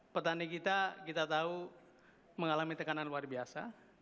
petani kita kita tahu mengalami tekanan luar biasa